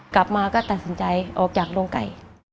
กลับมาก็ตัดสินใจออกจากโรงไก่